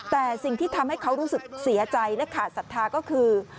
แต่สิ่งที่ทำให้เขารู้สึกเสียใจและขาดศรัทธาก็คือ